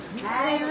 はい。